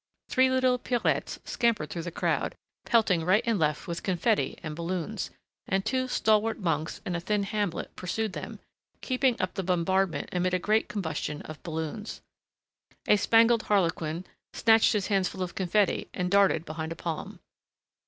Three little Pierrettes scampered through the crowd, pelting right and left with confetti and balloons, and two stalwart monks and a thin Hamlet pursued them, keeping up the bombardment amid a great combustion of balloons. A spangled Harlequin snatched his hands full of confetti and darted behind a palm.